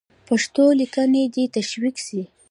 پښتو لیکنه دې تشویق سي.